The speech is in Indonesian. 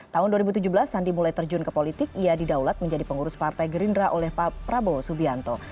tahun dua ribu tujuh belas sandi mulai terjun ke politik ia didaulat menjadi pengurus partai gerindra oleh pak prabowo subianto